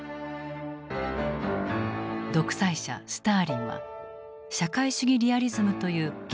独裁者スターリンは「社会主義リアリズム」という芸術思想を掲げた。